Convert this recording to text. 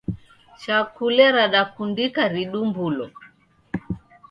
Chakule radakundika ridumbulo.